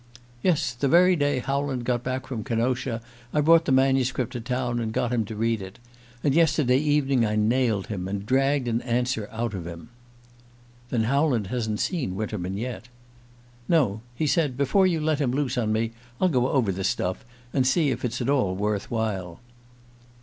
"Yes; the very day Howland got back from Kenosha I brought the manuscript to town, and got him to read it. And yesterday evening I nailed him, and dragged an answer out of him." "Then Howland hasn't seen Winterman yet?" "No. He said: 'Before you let him loose on me I'll go over the stuff, and see if it's at all worth while.